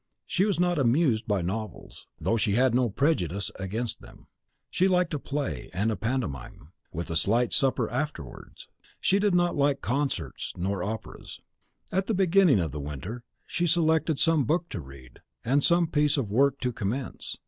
She was not amused by novels, though she had no prejudice against them. She liked a play and a pantomime, with a slight supper afterwards. She did not like concerts nor operas. At the beginning of the winter she selected some book to read, and some piece of work to commence.